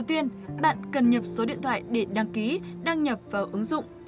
đầu tiên bạn cần nhập số điện thoại để đăng ký đăng nhập vào ứng dụng